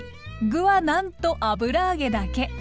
具はなんと油揚げだけ！